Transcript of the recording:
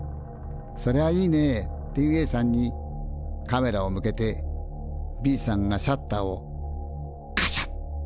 「それはいいね」っていうＡさんにカメラを向けてＢさんがシャッターをカシャッ！